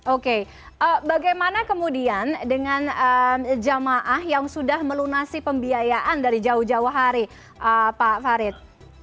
oke bagaimana kemudian dengan jamaah yang sudah melunasi pembiayaan dari jauh jauh hari pak farid